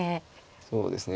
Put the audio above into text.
そうですね。